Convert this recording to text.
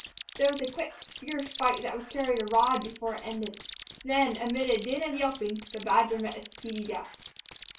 There was a quick, fierce fight that was carried a rod before it ended; then, amid a din of yelping, the badger met a speedy death.